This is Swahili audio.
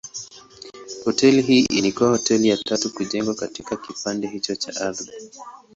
Hoteli hii ilikuwa hoteli ya tatu kujengwa katika kipande hicho cha ardhi.